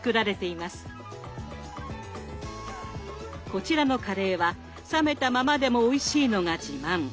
こちらのカレーは冷めたままでもおいしいのが自慢。